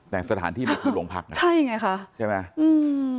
แต่สถานที่มันคือหลวงพลักษณ์ใช่ไหม